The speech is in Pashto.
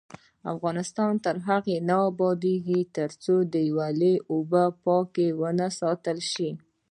افغانستان تر هغو نه ابادیږي، ترڅو د ویالو اوبه پاکې ونه ساتل شي.